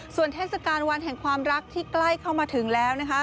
ส่วนเทศกาลวันแห่งความรักที่ใกล้เข้ามาถึงแล้วนะคะ